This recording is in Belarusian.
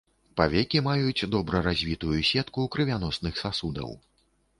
Павекі маюць добра развітую сетку крывяносных сасудаў.